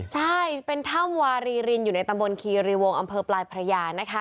ใช่เป็นถ้ำวารีรินอยู่ในตำบลคีรีวงอำเภอปลายพระยานะคะ